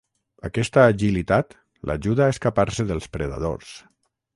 Aquesta agilitat l'ajuda a escapar-se dels predadors.